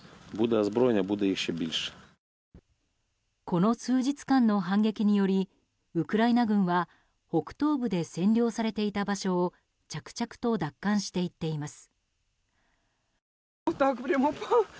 この数日間の反撃によりウクライナ軍は北東部で占領されていた場所を着々と奪還していっています。